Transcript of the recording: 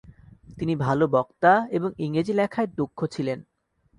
তিনি ভাল বক্তা এবং ইংরেজি লেখায় দক্ষ ছিলেন ।